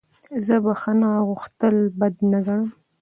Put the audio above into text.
زه بخښنه غوښتل بد نه ګڼم.